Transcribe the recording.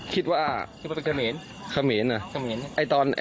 คิดว่าคำเหน